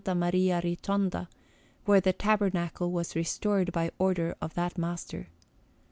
Maria Ritonda, where the tabernacle was restored by order of that master.